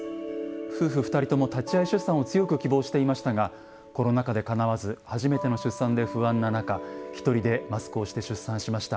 「夫婦２人とも立ち合い出産を強く希望していましたがコロナ禍でかなわず初めての出産で不安な中１人でマスクをして出産しました。